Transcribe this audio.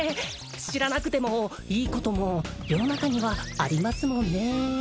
知らなくてもいいことも世の中にはありますもんね